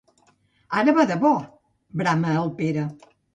Ara va de bo! —brama el Pere.